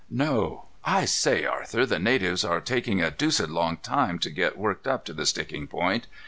"No. I say, Arthur, the natives are taking a deuced long time to get worked up to the sticking point.